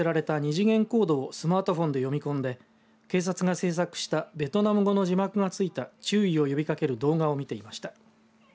２次元コードをスマートフォンで読み込んで警察が制作したベトナム語の字幕がついた注意を呼びかける動画を見ていました。